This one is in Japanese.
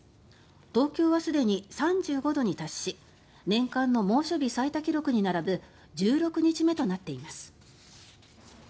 東京はすでに３５度に達し年間の猛暑日最多記録に並ぶ１６日目となっています。